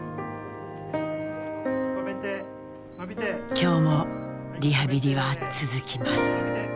今日もリハビリは続きます。